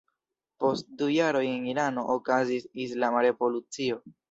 Post du jaroj en Irano okazis Islama Revolucio.